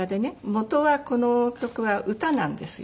元はこの曲は歌なんですよ。